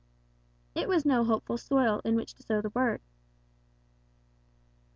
"It was no hopeful soil in which to sow the Word."